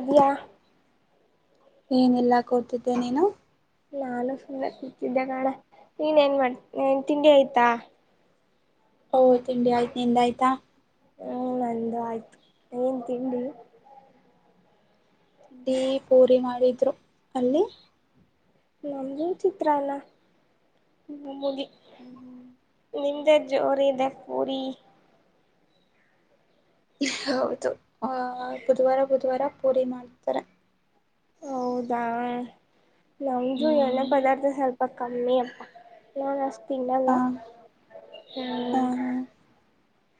ಇದಿಯಾ. ಏನೆಲ್ಲಾ ಕೊಡ್ತಿದ್ದೆ ನೀನು. ನಾನು ಸುಮ್ಮನೆ ಕುತಿದ್ದೆ ನೋಡೆ ನೀನೇನ್ ಮಾಡ್ ಏನ್ ತಿಂಡಿ ಆಯ್ತಾ. ಹ್ಮ್ ತಿಂಡಿ ಆಯ್ತು ನಿಂದು ಆಯ್ತಾ. ಹ್ಮ್ ನಂದು ಆಯ್ತು ಏನ್ ತಿಂಡಿ. ಟೀ ಪೂರಿ ಮಾಡಿದ್ರು. ಅಲ್ಲಿ ನಮ್ದೂ ಚಿತ್ರನ್ನ [unintelligible] ಹ್ಮ್ ಹ್ಮ್ [unintelligible] ನಿಂದೆ ಜೋರಿದೆ ಪೂರಿ ಹೌದು ಆ ಬುಧವಾರ ಬುಧವಾರ ಪೂರಿ ಮಾಡ್ತಾರೆ. ಹೌದಾ ನಮ್ದು ಎಣ್ಣೆ ಹ್ಮ್ ಪದಾರ್ಥ ಸ್ವಲ್ಪ್ ಕಮ್ಮಿ ಅಪ್ಪ ನಾನ್ ಅಷ್ಟು ತಿನ್ನಲ್ಲ ಹ ಹ ಹ್ಮ್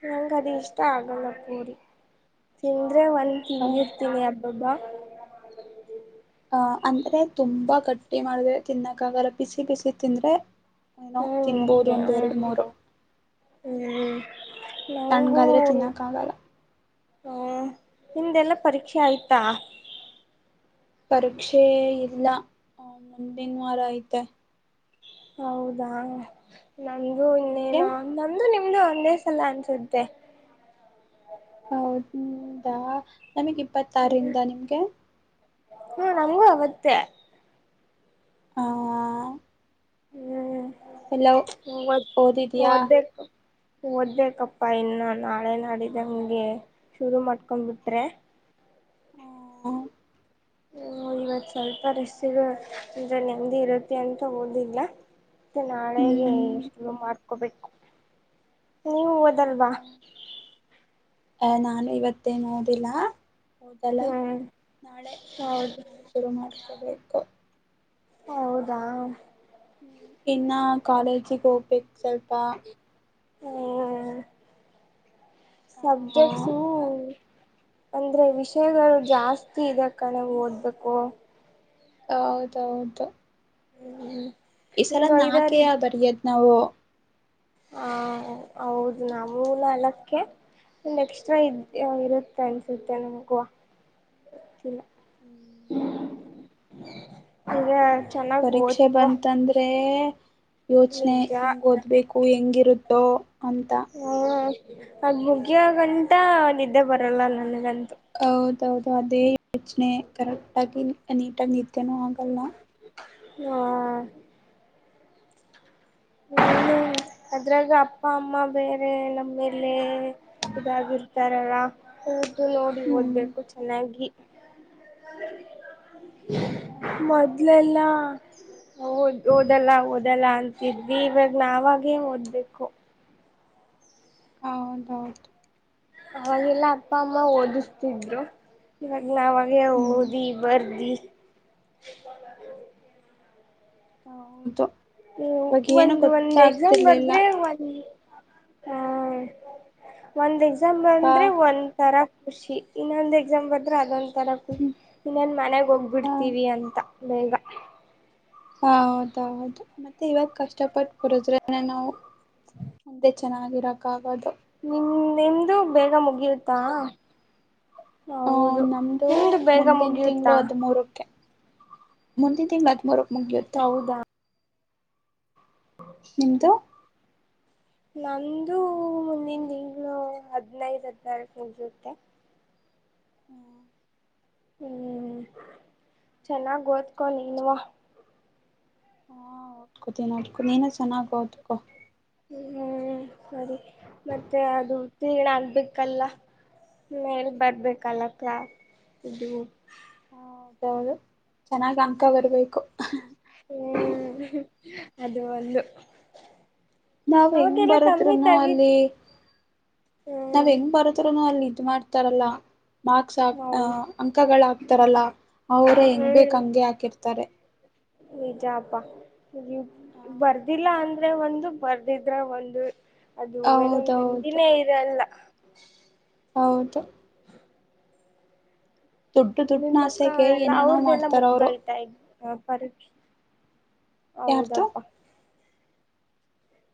ನಂಗ್ ಅದು ಇಷ್ಟ ಆಗಲ್ಲ ಪೂರಿ ತಿಂದ್ರೆ ಒಂದು ಹ ತಿಂದಿರ್ತೀನಿ ಅಬ್ಬ್ ಬಬ್ಬಾ ಹ ಅಂದ್ರೆ ತುಂಬಾ ಗಟ್ಟಿ ಮಾಡದ್ರೆ ತಿನ್ನಕ್ಕಾಗಲ್ಲ ಬಿಸಿ ಬಿಸಿ ತಿಂದ್ರೆ. ಏನೋ ಹ್ಞೂ ತಿನ್ನಬಹುದು ಒಂದ್ ಎರಡು ಮೂರು ಹ್ಮ್ ನ ತಣ್ಗಾದ್ರೆ ತಿನ್ನೋಕ್ಕ ಆಗಲ್ಲ ಹ್ಮ್ ನಿಮ್ದೆಲ್ಲ ಪರೀಕ್ಷೆ ಆಯ್ತಾ. ಪರೀಕ್ಷೆ ಇಲ್ಲ ಆ ಮುಂದಿನ ವಾರ ಐತೆ ಹೌದಾ ನಮ್ದು ನಿನ್ಗೆ ಇನ್ನೇನು ನಮ್ದು ನಿಮ್ದು ಒಂದೇ ಸಲ ಅನ್ಸುತ್ತೆ. ಹೌದಾ ನನಗೆ ಇಪ್ಪತ್ತಾರುರಿಂದ ನಿಮಗೆ ಹಾ ನಮ್ಗೂ ಅವತ್ತೇ. ಹಾ ಹ್ಮ್ ಓದಿದ್ಯಾ ಓದಬೇಕು ಓದ್ಬೇಕಪ್ಪಾ ಇನ್ನು ನಾಳೆ ನಾಳಿದ್ದಂಗೆ ಶುರು ಮಾಡ್ಕೊಂಡ್ಬಿಟ್ರೆ. [unintelligible] ಹ್ಮ್ ಇವತ್ ಸ್ವಲ್ಪ ರೆಸ್ಸಿಗ ಅಂದ್ರೆ ನೇಮ್ಡಿ ಇರುತ್ತೆ ಅಂತ ಓದಿಲ್ಲ. ಮತ್ತೆ ನಾಳೆಗೆ ಹ್ಮ್ ಶುರು ಮಾಡ್ಕೋಬೇಕು ನೀವು ಓದಲ್ವಾ. ಎ ನಾನು ಇವತ್ತೇನ್ ಓದಿಲ್ಲ. ಓದಲ್ಲ ಹ್ಮ್ ನಾಳೆ ನಾನು ಹೌದು ನಾಳೆ ಶುರು ಮಾಡ್ಕೊಬೇಕು. ಹೌದಾ. ಇನ್ನ ಕಾಲೇಜಿಗ್ ಹೋಗ್ಬೇಕ್ ಸ್ವಲ್ಪಾ. ಹ್ಮ್. ಸಬ್ಜೆಕ್ಟ್ಸೂ ಅಂದ್ರೆ ವಿಷಯಗಳು ಜಾಸ್ತಿ ಇದೆ ಕಣೆ ಓದ್ಬೇಕೂ. ಹೌದ್ ಹೌದು. ಹ್ಮ್. ಈ ಸಲ ನಾಕೆಯ ಬರಿಯದ್ ನಾವು. ಹಾಂ ಹೌದು ನಮ್ಗು ನಾಲಕ್ಕೆ ಒಂದ್ ಎಕ್ಸ್ಟ್ರಾ ಇದ್ ಇರು ತಂನ್ಸುತ್ತೆ ನಮ್ಗುವ ಗೊತ್ತಿಲ್ಲ. ಹ್ಮ್. [inaudible] ಅಯ್ಯೋ ಚೆನ್ನಾಗಿ ಪರೀಕ್ಷೆ ಓದ್ಕೊ ಬಂತಂದ್ರೇ. ಯೋಚ್ನೆ ನಿಜ ಹೆಂಗ್ ಓದ್ಬೇಕು ಹೆಂಗಿರುತ್ತೋ ಅಂತ. ಹ್ಮ್ ಅದ್ ಮುಗಿಯಗಂಟಾ ನಿದ್ದೆ ಬರಲ್ಲ ನನ್ಗಂತು. ಹೌದೌದು ಅದೇ ಯೋಚ್ನೆ ಕರೆಕ್ಟ್ ಆಗಿ ನೀಟಗ್ ನಿದ್ದೇನು ಆಗಲ್ಲ. ಹ್ಮ್. ಹ್ಮ್ ಅದ್ರಾಗ ಅಪ್ಪ ಅಮ್ಮ ಬೇರೆ ನಮ್ಮೇಲೆ ಇದಾಗಿರ್ ತರಲ್ಲ ಅವ್ರ್ದು ನೋಡಿ ಹ್ಮ್ ಓದ್ಬೇಕು ಚೆನ್ನಾಗಿ. ಹೌದೌದು ಮೊದ್ಲೆಲ್ಲ ಓದ್ ಓದಲ್ಲ ಓದಲ್ಲ ಅಂ ಇದ್ವಿ ಇವಗ್ ನಾವಾಗೇ ಓದ್ಬೇಕು. ಹೌದೌದು. ಅವಾಗೆಲ್ಲ ಅಪ್ಪ ಅಮ್ಮ ಓದುಸ್ತಿದ್ರು ಇವಗ್ ನಾವಾಗೆ ಹ್ಮ್ ಓದಿ ಬರ್ದಿ. ಹೌದು. ಅವಾಗ ಏನು ಒಂದ್ ಒಂದ್ ಎಕ್ಸಾಮ್ ಗೊತ್ತಾಗ್ತಿರ್ಲಿಲ್ಲ ಬರ್ದ್ರೆ ಒಂದ್. ಹಾಂ ಒಂದ್ ಎಕ್ಸಾಮ್ ಇವಾಗ ಬಂದ್ರೆ ಒಂದ್. ತರ ಖುಷಿ ಇನ್ನೊಂದ್ ಎಕ್ಸಾಮ್ ಬರ್ದ್ರೆ ಅದೊಂದ್. ಥರ ಕು ಹ್ಮ್ ಇನೆನ್ ಮನೆಗ್ ಹೋಗ್ಬಿಡ್ತೀವಿ ಅಂತ ಬೇಗ. ಹ ಹೌದೌದು ಮತ್ತೆ ಇವಾಗ ಕಷ್ಟಪಟ್ ಬರುದ್ರೆನೆ ನಾವು. ಮುಂದೆ ಚೆನ್ನಾಗಿರಕ್ ಆಗದು. ನಿಮ್ ನಿಮ್ದು ಬೇಗ ಮುಗಿಯುತ್ತಾ. ಹೂ ಹೌದು ನಮ್ದು ನಿಮ್ದು ಬೇಗ ಮುಂದಿನ್ ತಿಂಗ್ಳು ಮುಗಿಯುತ್ತಾ ಹದ್ಮೂರುಕ್ಕೆ. ಮುಂದಿನ್ ತಿಂಗ್ಳ್ ಹದ್ಮೂರುಕ್ ಮುಗಿಯುತ್ತೆ. ಹೌದಾ ನಿಮ್ದು. ನಂದೂ ಮುಂದಿನ್ ತಿಂಗ್ಳು ಹದ್ನೈದ್ ಹಾದ್ನರಕ್ ಮುಗ್ಯುತ್ತೆ. ಹ್ಮ್. ಹ್ಮ್ ಚನ್ನಾಗ್ ಓದ್ಕೊ ನೀನುವ. ಹೋ ಓದ್ಕೊತಿನ್ ಓದ್ಕೊ ನೀನು ಚನ್ನಾಗ್ ಓದ್ಕೊ. ಹ್ಮ್ ಸರಿ ಮತ್ತೆ ಅದು. [unintelligible] ಆಗ್ಬೇಕಲ್ಲ ಮೇಲೆ ಬರ್ಬೇಕಲ್ಲ ಕಾ ಇದು ಹ ಹೌದೌದು ಚೆನ್ನಾಗ್ ಅನ್ಕಾ ಹ್ಮ್ ಬರ್ಬೇಕು. ಹ್ಮ್ ಅದು ಒಂದು. ನಾವ್ ಹೆಂಗ್ ಅವಾಗೆಲ್ಲ ಕಮ್ಮಿ ಬರೆದ್ರುನು ತಗಿದ್ ಅಲ್ಲಿ ನಾವ್ ಹ್ಮ್ ಹೆಂಗ್ ಬರುತ್ರುನು ಅಲ್ಲಿ ಇದ್ ಮಾಡ್ ಅಂತಾರಲ್ಲ ಮಾರ್ಕ್ಸ್ ಆ ನಾವು ಅಂಕಗಳ ಆಕ್ತಾರಲ್ಲ. ಅವರೇ ಹೆಂಗ್ ಬೇಕ್ ಹಂಗೆ ಹಾಕಿರ್ತಾರೆ. ನಿಜ ಪಾ ನೀ ಬರ್ದಿಲ್ಲ ಅಂದ್ರೆ ಒಂದು ಬರ್ದಿದ್ರೆ ಒಂದು. ಅದು ಏನು ಹೌದೌದು ನೆಮ್ಮದಿನೆ ಇರಲ್ಲ. ಹೌದು. ದುಡ್ಡು ದುಡ್ನ ನಿಮ್ಮ ಅಕ್ಕ ಆಸೆಗೆ ಅವರೆಲ್ಲ ಏನೇನೋ ಅವ್ರ್ದೆಲ್ಲಾ ಮಾಡ್ತಾರ ಅವರು ಮುಗ್ದೋಯ್ತಾ ಇ ಹ ಪರೀಕ್ಷೆ ಯಾರ್ದು ಹೌದಪ್ಪ.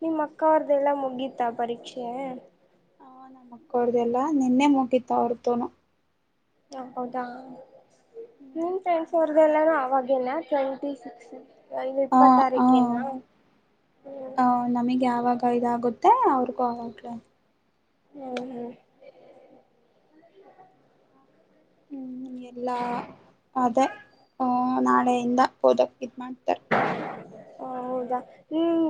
ನಿಮ್ಮ ಅಕ್ಕ ಅವ್ರ್ದೆಲ್ಲಾ ಮುಗಿತ ಪರೀಕ್ಷೆ. ಮಕ್ಕ ಅವರದೆಲ್ಲ ನಿನ್ನೆ ಮುಗಿತ ಅವರದುನು. ಹ ಹೌದಾ ನಿನ್ ಫ್ರೆಂಡ್ಸ್ ಅವ್ರ್ದಲ್ಲಾನು ಅವಾಗೇನ ಟ್ವೆಂಟಿ ಇದು ಹ ಇಪ್ಪತ್ತಾರೀಕೇನಾ ಹ ಹ್ಮ. ನಮಗೆ ಯಾವಾಗ ಇದಾಗುತ್ತೆ ಅವ್ರಿಗೂ ಆವಾಗ್ಲೇ. ಹ್ಮ ಹಾ ಹ್ಮ್ ಎಲ್ಲ ಅದೇ ಆ ನಾಳೆಯಿಂದ ಓದಕ್ ಇದ್ ಮಾಡ್ತಾರೆ. ಹ ಹೌದಾ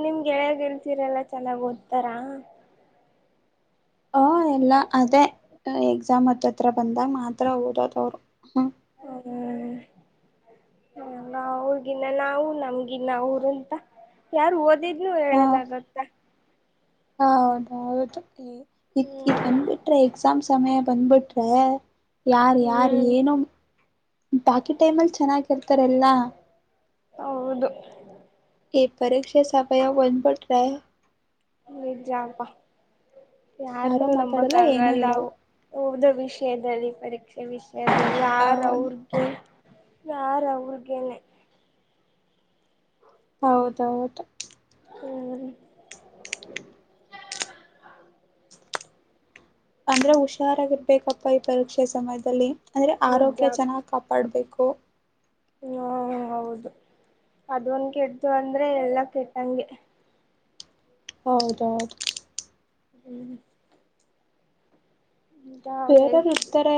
ನಿಮ್ ಗೆಳೆಯಗೆ ಇಲ್ತೀರಲ್ಲ ಚೆನ್ನಾಗಿ ಓದ್ತೀರಾ. ಹ ಎಲ್ಲ ಅದೇ ಎಕ್ಸಾಮ್ ಹತ್ತತ್ರ ಬಂದಾಗ ಮಾತ್ರ ಓದೋದವರು ಹ್ಮ. ಹ್ಮ ಅವರ್ಗಿನ್ನ ನಾವು ನಮ್ಗಿನ್ನ ಅವರು ಅಂತ ಯಾರು ಓದಿದ್ ನೀವು ಹೇಳಲಾಗುತ್ತಾ. ಹ ಹೌದೌದು ಹ್ಮ್ ಬಂದ್ಬಿಟ್ರೆ ಎಕ್ಸಾಮ್ಸ್ ಸಮಯ ಬಂದ್ಬಿಟ್ರೆ. ಯಾರ ಯಾರು ಹ್ಮ್ ಏನು ಬಾಕಿ ಟೈಮಲ್ಲಿ ಚೆನ್ನಾಗಿರ್ತಾರೆಲ್ಲ. ಹೌದು ಈ ಪರೀಕ್ಷೆ ಸಮಯ ಬಂದ ಬಿಟ್ರೆ. ನಿಜಾಪಾ ಯಾರು ಯಾರನ್ನೂ ನಂಬೋಕೆ ಮಾತಾಡಲ್ಲ ಏನು ಆಗಲ್ಲ. ಹೇಳಲ್ಲ ಓದೋ ವಿಷಯದಲ್ಲಿ ಪರೀಕ್ಷೆ ವಿಷಯದಲ್ಲಿ ಯಾರ ಅವರು. ಹ ಯಾರ ಅವ್ರಗೇನೆ. ಹೌದೌದು ಹ [inaudible] ಅಂದ್ರೆ ಹುಷಾರಾಗಿರ್ಬೇಕಪ್ಪ ಈ ಪರೀಕ್ಷೆ ಸಮಯದಲ್ಲಿ. ಅಂದರೆ ನಿಜ ಆರೋಗ್ಯ ಚೆನ್ನಾಗಿ ಕಾಪಾಡಬೇಕು. ಹ್ಮ ಹೌದು ಅದ ಒಂದ್ ಕೆಟ್ಟಿತು ಅಂದ್ರೆ ಎಲ್ಲ ಕೆಟ್ಟಂಗೆ. ಹೌದೌದು ಹ್ಮ್ ನಾವು ಬೇರೆಯವರು ಹೇಳ್ತಿದ್ವಿ ಇರ್ತಾರೆ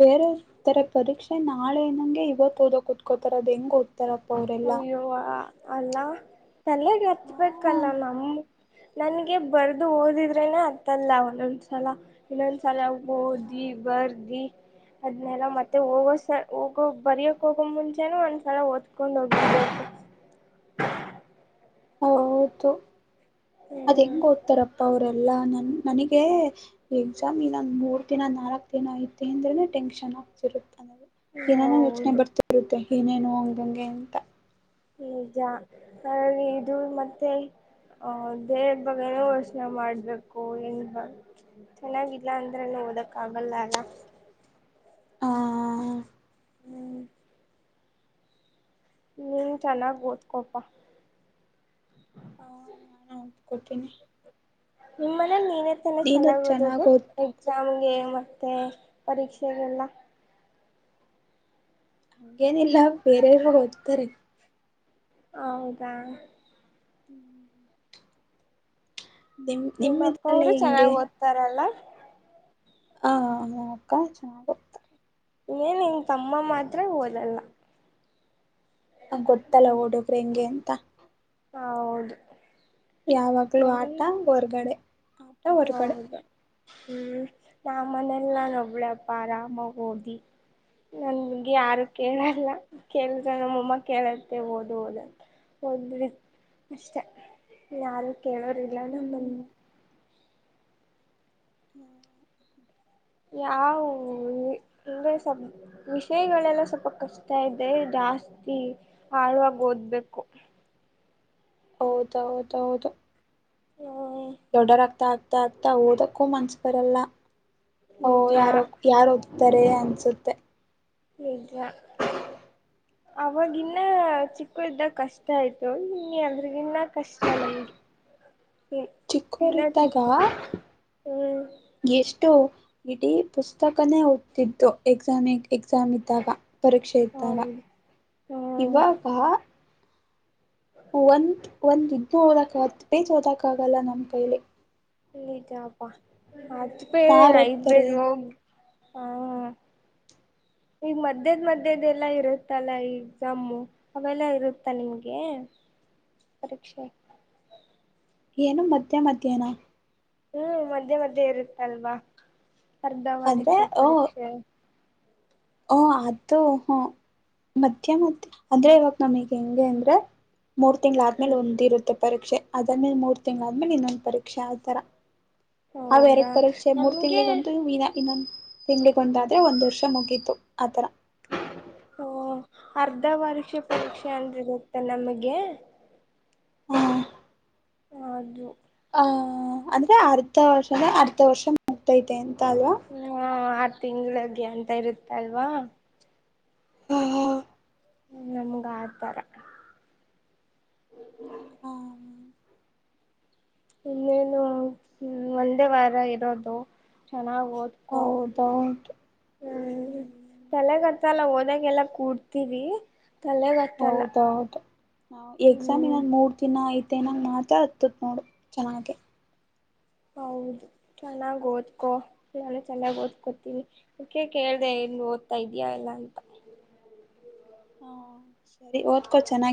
ಬೇರೆ. ತ್ತಾರೆ ಪರೀಕ್ಷೆ ನಾಳೆ ಏನಂಗೆ ಇವತ್ತು ಓದೋ ಕುತ್ಕೋತಾರ ಅದು ಹೆಂಗ ಓದ್ತಾರಾಪ್ಪಾ ಅವರೆಲ್ಲಾ. ಅವಾ ಅಲ್ಲ ತಲೆಗೆ ಹಾ ಹತ್ಬೇಕಲ್ಲ ನಮ್ಮ ನನ್ಗೆ ಬರ್ದು ಓದಿದ್ರೇನೆ ಅತ್ತಲ್ಲ ಒಂದೊಂದ್ಸಲ. ಇನ್ನೊಂದ ಸಲ ಓದಿ ಬರ್ದಿ. ಅದ್ನೆೆಲ್ಲ ಮತ್ತೆ ಹೋಗೋಸ ಹೋಗೋ ಬರಯಕ್ ಹೋಗೋ ಮುಂಚೆನ ಒಂದ್ಸಲ ಓದ್ಕೊಂಡ್ ಹೋಗಿ ಬಿಡ್ಬೇಕು. ಹೌದು ಅದ್ ಹ್ಮ್ ಹೆಂಗ ಓದ್ತಾರಪ್ಪ ಅವರೆಲ್ಲಾ ನನ್ ನನಿಗೆ ಎಕ್ಸಾಮ್ ಇನ್ನಂದ ಮೂರ್ ದಿನ ನಾಲ್ಕು ದಿನ ಐತೆ ಅಂದ್ರೆನೆ ಟೆನ್ಶನ್ ಆಗ್ತಿರುತ್ತೆ ಏನೇನೋ ಯೋಚನೆ ಹೌದು ಬರ್ತಾ ಇರುತ್ತೆ ಏನೇನು ಹಂಗಂಗೆ ಅಂತ ನಿಜ ಹಾಗಾಗಿ ಇದು ಮತ್ತೆ ಹ ದೇಹದ ಬಗ್ಗೆನು ಯೋಚನೆ ಮಾಡ್ಬೇಕು ಎಂಗ ಬ ಚೆನ್ನಾಗಿಲ್ಲ ಅಂದ್ರನು ಓದಕ್ ಆಗಲ್ಲ ಅಲ್ಲ ಆ ಹ್ಮ್ ನೀನ್ ಚೆನ್ನಾಗ ಓದ್ಕೋಪಾ ಹಾ ನಾನು ಒತ್ಕೊತೀನಿ ನಿಮ್ಮ ಮನೇಲಿ ನೀನೆತ್ತಾನೆ ನೀನು ಚೆನ್ನಾಗ್ ಓದದು ಓದ್ ಎಕ್ಸಾಮ್ಗೆ ಮತ್ತೆ ಪರೀಕ್ಷೆಗೆೆಲ್ಲ ಹಂಗೇನಿಲ್ಲ ಬೇರೆ ಅವ್ರು ಓದ್ತಾರೆ ಹೌದಾ ಹ್ಮ್ ನಿಮ್ ನಿಮ್ಮ ಇದ್ರಲ್ಲಿ ಅಕ್ಕವರು ಹೆಂಗೆ ಚೆನ್ನಾಗ್ ಓದ್ತಾರಲ್ಲ ಹಾ ಅಕ್ಕ ಚಾನಗೆ ಎನ್ ನಿನ್ ತಮ್ಮ ಮಾತ್ರ ಓದಲ್ಲ ಗೊತ್ತಲ್ಲ ಹುಡುಗ್ರ ಹೆಂಗೆ ಅಂತ ಹೌದು ಯಾವಾಗ್ಲೂ ಆಟ ಹೊರಗಡೆ ಹೌದಾ ಹ್ಮ್ ನಮ್ಮನೆಲ್ ನಾನ್ ಒಬ್ಳೆಪ್ಪ ಆರಾಮಾಗ ಓದಿ ನನ್ಗೆ ಯಾರು ಕೇಳಲ್ಲ ಕೇಳಿದ್ರೆ ನಮ್ಮಮ್ಮ ಕೇಳತ್ತೆ ಓದು ಓದಂತ ಹೋದ್ರೆ ಅಷ್ಟೆ ಇನ್ಯಾಯಾರು ಕೇಳೋರಿಿಲ್ಲ ನಮ್ಮನ್ ಹ್ಮ್ ಹ ಹಾ ಹಂಗಸ [unintelligible] ವಿಷಯಗಳೆಲ್ಲ ಸ್ವಲ್ಪ ಕಷ್ಟ ಇದೆ ಜಾಸ್ತಿ ಆಳ್ವಾಗ್ ಓದ್ಬೇಕು ಹೌದ ಹೌದ ಹೌದು ಹ್ಮ್ ದೊಡ್ಡವ್ರ್ ಆಗ್ತಾ ಆಗ್ತಾ ಓದಕ್ಕೂ ಮನ್ಸ ಬರಲ್ಲ ಓ ನಿಜ ಯಾರಕ್ಕ ಯಾರು ಓತಾರೆ ಅನಿಸುತ್ತೆ ನಿಜ ಅವಾಗಿನ್ನ ಚಿಕ್ಕ ಇದ್ದಾಗ ಕಷ್ಟ ಆಯ್ತು ಇನ್ನ ಎಲ್ರಿಗಿನ್ನ ಕಷ್ಟ ನಮ್ಗೆ ಹ್ಮ್ ಇನ್ನಾ ಚಿಕ್ಕೋರಿದ್ದಾಗ ಚಿಕ್ ಹ್ಮ್ ಎಷ್ಟು ಇಡೀ ಪುಸ್ತಕನೇ ಓತಿದ್ದೋ ಎಕ್ಸಾಮಿ ಎಕ್ಸಾಮ್ ಇದ್ದಾಗ ಪರೀಕ್ಷೆ ಇದ್ದಾಗ ಹೌದು ಹ್ಮ್ ಇವಾಗ ಒಂದ್ ಒಂದ್ ಇದನ ಓದಕ ಹತ್ ಪೇಜ್ ಓದಕ್ ಆಗಲ್ಲ ನಮ್ಮ್ ಕೈಲಿ ಇಟಾಪಾ ಹತ್ತುಪೇರು ಯಾರ್ ಓದ್ತಾರೆ ಐದುಪೇರುೋಗ ಹ [unintelligible] ಈಗ ಮಧ್ಯದ್ ಮಧ್ಯದ ಎಲ್ಲಾ ಇರುತ್ತಲ್ಲ ಎಕ್ಸಾಮು ಅವೆಲ್ಲ ಇರುತ್ತಾ ನಿಮ್ಗೆ ಪರೀಕ್ಷೆ ಏನು ಮತ್ತೆ ಮಧ್ಯಾನಾ ಹ್ಮ್ ಮಧ್ಯೆ ಮಧ್ಯೆ ಇರುತ್ತೆಲ್ವಾ ಅರ್ಧ ಅಂದ್ರೆ ವಾರ್ಷಿಕ ಓ ಪರೀಕ್ಷೆ ಓ ಅದು ಹು ಮಧ್ಯ ಮದ್ಯ ಅದೇ ಇವಾಗ ನಮಗ್ ಹೆಂಗೆ ಅಂದ್ರೆ ಮೂರ್ ತಿಂಗ್ಳ್ ಆದ್ಮೇಲೆ ಹ್ಮ್ ಒಂದ ಇರುತ್ತೆ ಪರೀಕ್ಷೆ ಅದಾದ್ಮೇಲೆ ಮೂರ್ ತಿಂಗ್ಗಳ ಆದ್ಮೇಲೆ ಇನ್ನೊಂದ್ ಪರೀಕ್ಷೆ ಆತರ ಅವ್ ಎರಡು ಹೌದಾ ಪರೀಕ್ಷೆ ಮೂರು ನಮ್ಗೆ ತಿಂಗಳಿಗೊಂದು ಇನ್ನೊಂದ ತಿಂಗಳಿಗೊಂದಾದರೆ ಒಂದು ವರ್ಷ ಮುಗೀತು ಆ ತರಾ. ಓ ಅರ್ಧವರ್ಷ ಪರೀಕ್ಷೆ ಅಂದ್ರಇರುತ್ತಾ ನಮಗೆ. ಹ ಆದ್ವು ಆ ಅಂದ್ರೆ ಅರ್ಧ ವರ್ಷ ಅರ್ಧ ವರ್ಷ ಮುಗ್ತೈತೆ ಅಂತ ಅಲ್ವಾ. ಹಾ ಆರು ತಿಂಗಳಿಗೆ ಅಂತ ಇರುತ್ತೆ ಅಲ್ವಾ. ಹಾ ಹಾ ನಮಗ ಆತರಾ ಹುಹು ಇನ್ನೇನು ಒಂದೇ ವಾರ ಇರೋದು ಚೆನ್ನಾಗಿ ಓದ. ಹೌದ ಹೌದ ಹು. ತಲೆಗೆ ಹತ್ತಲ್ಲಾ ಓದಾಕ ಎಲ್ಲಾ ಕೂಡ್ತಿವಿ ತಲೆಗ. ಹೌದ ಹೌದ ಹ ಎಕ್ಸಾಮ್ ಇನ್ನ ಹ್ಮ್ ಮೂರ ದಿನಾ ಆಯ್ತ ತ್ತಿ ಮಾತ ಹತ್ತ ನೋಡು ಚೆನ್ನಾಗೆ. ಹೌದು ಚೆನ್ನಾಗಿ ಓದ್ಕೊ ನಾನು ಚೆನ್ನಾಗಿ ಓದ್ಕೋತೀವಿ ಅದಕ್ಕೆ ಕೇಳ್ದ ಇನ್ ಓದ್ತಾ ಇದ್ಯಾ ಎಲ್ಲಾ ಅಂತ. ಹಾ ಸರಿ ಓದ್ಕೊ ಚೆನ್ನಾಗಿ.